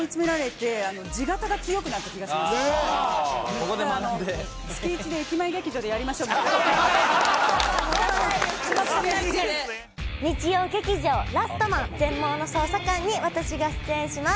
ここで学んで日曜劇場「ラストマン−全盲の捜査官−」に私が出演します